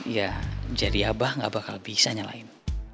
ya jadi abah gak bakal bisa nyalain